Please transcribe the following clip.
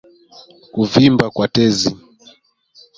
Kuvimba kwa tezi